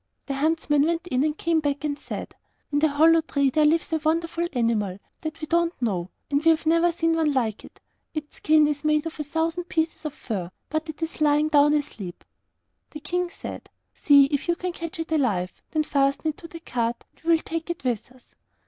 The huntsmen went in, and then came back and said, 'In the hollow tree there lies a wonderful animal that we don't know, and we have never seen one like it; its skin is made of a thousand pieces of fur; but it is lying down asleep.' The King said, 'See if you can catch it alive, and then fasten it to the cart, and we will take it with us.